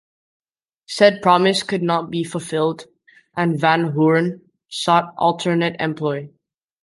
Said promise could not be fulfilled and Van Hoorn sought alternate employ.